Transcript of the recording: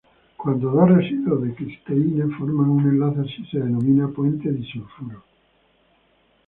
Cuando dos residuos de cisteína forman un enlace así, se denomina puente disulfuro.